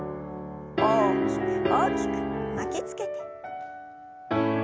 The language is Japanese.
大きく大きく巻きつけて。